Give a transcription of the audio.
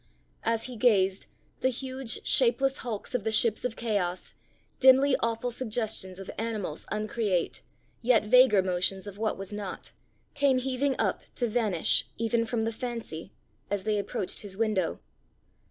As he gazed, the huge shapeless hulks of the ships of chaos, dimly awful suggestions of animals uncreate, yet vaguer motions of what was not, came heaving up, to vanish, even from the fancy, as they approached his window.